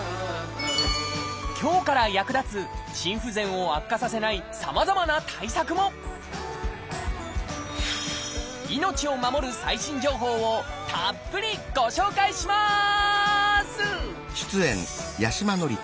今日から役立つ心不全を悪化させないさまざまな対策も命を守る最新情報をたっぷりご紹介します！